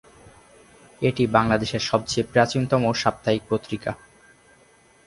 এটি বাংলাদেশের সবচেয়ে প্রাচীনতম সাপ্তাহিক পত্রিকা।